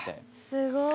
すごい！